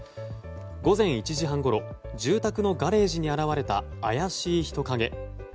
午前１時半ごろ住宅のガレージに現れた怪しい人影。